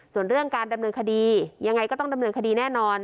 ส่วนเรื่องการดำเนินคดียังไงก็ต้องดำเนินคดีแน่นอน